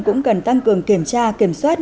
cũng cần tăng cường kiểm tra kiểm soát